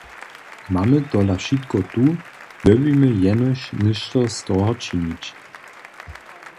Mamy tola wšitko tu, dyrbimy jenož něšto z toho činić.